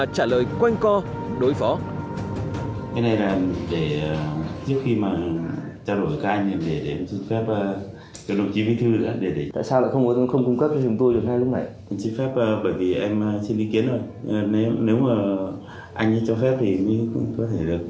chúng tôi sẽ tránh và trả lời quanh co đối phó